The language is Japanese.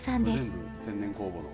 全部天然酵母の。